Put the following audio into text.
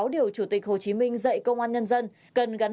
điều chủ tịch hồ chí minh dạy công an nhân dân cần gắn